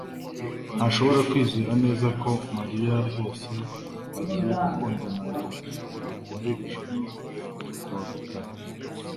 ntashobora kwizera neza ko Mariya rwose agiye gukundana nawe muri iri joro ryo kuwa gatanu.